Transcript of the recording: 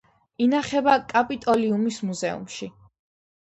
ინახება კაპიტოლიუმის მუზეუმში.